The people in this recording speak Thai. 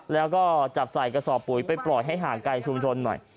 แล้วก็จับใส่กระสอบปุ๋ยไปปล่อยให้ห่างไกลชุมชนหน่อย